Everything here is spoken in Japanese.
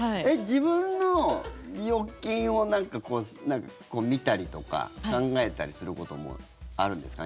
自分の預金を見たりとか考えたりすることもあるんですか？